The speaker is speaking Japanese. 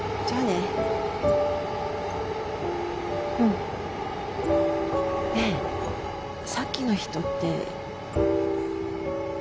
ねえさっきの人って。